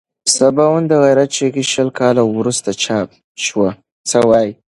سباوون د غیرت چغې شل کاله وروسته چاپ شوه.